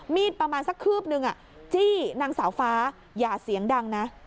ประมาณสักคืบนึงจี้นางสาวฟ้าอย่าเสียงดังนะ